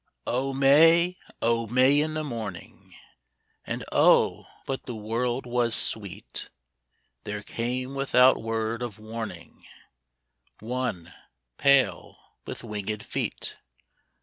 O MAY, O May in the morning, And oh, but the world was sweet There came without word of warning One, pale, with winged feet.